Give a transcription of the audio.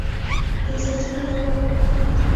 د سرچینو کارول ولې پکار دي؟